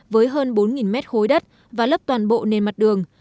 với hơn bốn mét khối đất và lấp toàn bộ nền mặt đường